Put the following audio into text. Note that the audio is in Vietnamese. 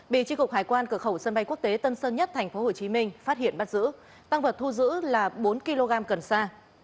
bị tri cục hải quan cửa khẩu sân bay quốc tế tân sơn nhất tp hcm phát hiện bắt giữ tăng vật thu giữ là bốn kg cần sa